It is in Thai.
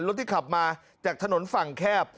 รถที่ขับมาจากถนนฝั่งแคบ